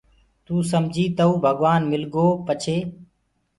توٚ سمجيٚ تئو ڀگوآن مِلگو پڇي